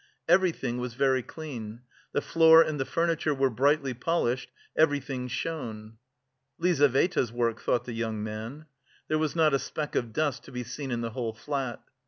Everything was very clean; the floor and the furniture were brightly polished; everything shone. "Lizaveta's work," thought the young man. There was not a speck of dust to be seen in the whole flat.